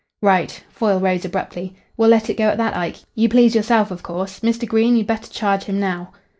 "Right." Foyle rose abruptly. "We'll let it go at that, Ike. You please yourself, of course. Mr. Green, you'd better charge him now."